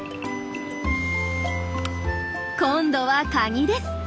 今度はカニです。